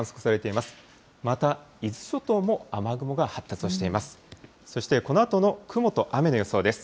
また伊豆諸島も雨雲が発達をしています。